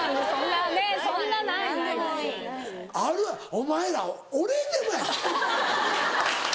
お前ら俺でもや。